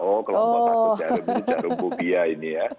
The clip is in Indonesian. oh kalau mau takut jarum jarum bugia ini ya